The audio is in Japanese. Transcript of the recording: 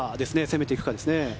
攻めていくかですね。